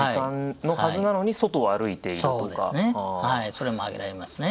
それも挙げられますね。